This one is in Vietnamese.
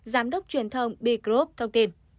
giám đốc truyền thông bigroup thông tin